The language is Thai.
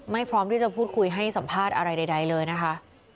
พร้อมที่จะพูดคุยให้สัมภาษณ์อะไรใดเลยนะคะ